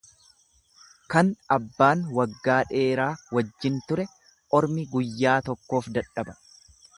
Kan abbaan waggaa dheeraa wajjin ture ormi guyyaa tokkoof dadhaba.